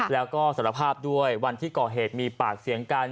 แล้วก็สารภาพด้วยวันที่ก่อเหตุมีปากเสียงกัน